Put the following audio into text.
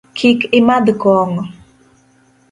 Kik imadh kong'o.